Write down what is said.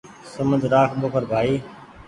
سمجه رآک ٻوکر ڀآئي